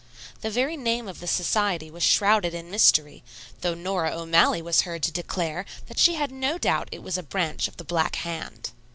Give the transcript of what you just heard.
The very name of the society was shrouded in mystery, though Nora O'Malley was heard to declare that she had no doubt it was a branch of the "Black Hand."